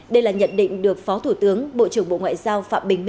đây là nhận định được phó thủ tướng bộ trưởng bộ ngoại giao phạm bình minh